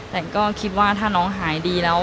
แต่งก็คิดว่าถ้าน้องหายดีแล้ว